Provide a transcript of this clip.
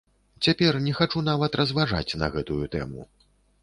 Цяпер не хачу нават разважаць на гэтую тэму.